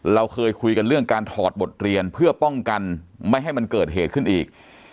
เราเคยคุยกันเรื่องการถอดบทเรียนเพื่อป้องกันไม่ให้มันเกิดเหตุขึ้นอีก